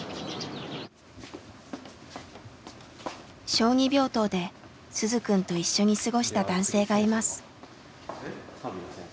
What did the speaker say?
小児病棟で鈴くんと一緒に過ごした男性がいます。